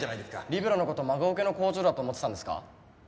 リベロの事孫請けの工場だと思ってたんですか？